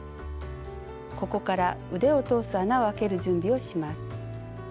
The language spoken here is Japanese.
ここから腕を通す穴をあける準備をします。